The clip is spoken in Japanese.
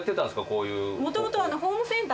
こういう。